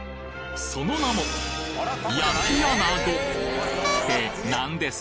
その名もって何です？